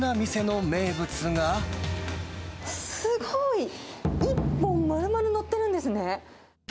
すごい！一本丸々載ってるんですね。